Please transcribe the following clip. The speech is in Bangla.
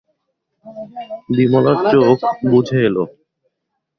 বিমলার চোখ বুজে এল।